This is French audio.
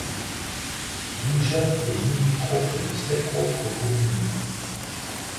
Bugeat est limitrophe de sept autres communes.